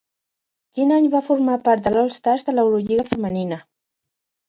Quin any va formar part de l'All Stars de l'Eurolliga femenina?